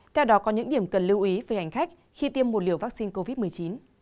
theo đó có những điểm cần lưu ý về hành khách khi tiêm một liều vaccine covid một mươi chín